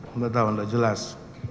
sudah tahu tidak jelas